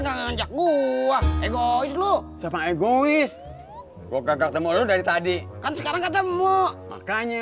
jangan ngajak gua egois lu sama egois gua gak ketemu lu dari tadi kan sekarang ketemu makanya